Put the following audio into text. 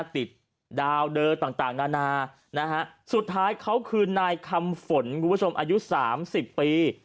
ดาวเดอร์ต่างนานานะฮะสุดท้ายเขาคือนายคำฝนคุณผู้ชมอายุ๓๐ปี